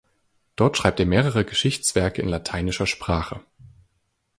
Dort schreibt er mehrere Geschichtswerke in lateinischer Sprache.